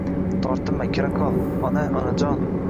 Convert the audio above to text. Tortinma, kiraqol, ona, onajon!